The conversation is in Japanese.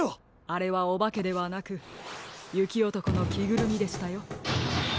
あれはおばけではなくゆきおとこのきぐるみでしたよ。